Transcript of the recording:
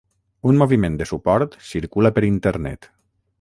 Un moviment de suport circula per internet.